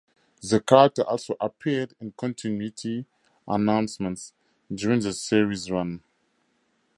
The character also appeared in continuity announcements during the series' run.